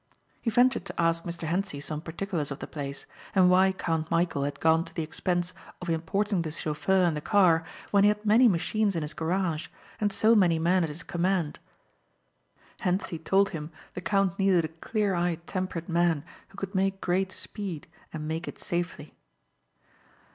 He ventured to ask Mr. Hentzi some particulars of the place, and why Count Michæl had gone to the expense of importing the chauffeur and the car when he had many machines in his garage and so many men at his command. Hentzi told him the count needed a clear eyed, temperate man who could make great speed and make it safely.